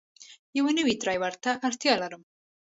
یو نوی ډرایور ته اړتیا لرم.